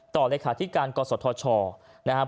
ต่อเลยค่ะที่การกรสดทชนะครับ